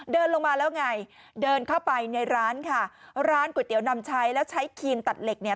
เดินลงมาแล้วไงเดินเข้าไปในร้านค่ะร้านก๋วยเตี๋ยวนำใช้แล้วใช้ครีมตัดเหล็กเนี่ย